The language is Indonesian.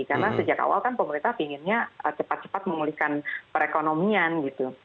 karena sejak awal kan pemerintah inginnya cepat cepat memulihkan perekonomian gitu